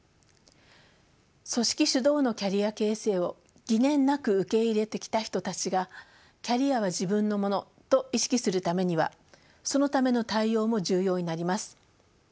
組織主導のキャリア形成を疑念なく受け入れてきた人たちがキャリアは自分のものと意識するためにはそのための対応も重要になります。